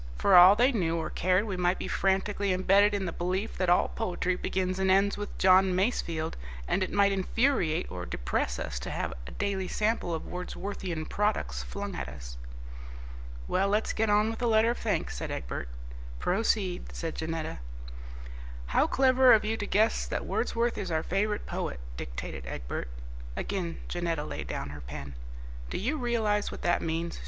For all they knew or cared we might be frantically embedded in the belief that all poetry begins and ends with John Masefield, and it might infuriate or depress us to have a daily sample of Wordsworthian products flung at us." "Well, let's get on with the letter of thanks," said Egbert. "Proceed," said Janetta. "'How clever of you to guess that Wordsworth is our favourite poet,'" dictated Egbert. Again Janetta laid down her pen. "Do you realise what that means?"